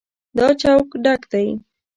دا چوک ډک دی.